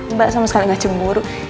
mba sama sekali gak cemburu